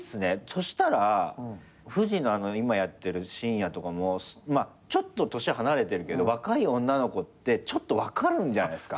そしたらフジの今やってる深夜とかもまあちょっと年離れてるけど若い女の子ってちょっと分かるんじゃないっすか？